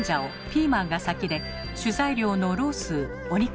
ピーマンが先で主材料の「肉絲」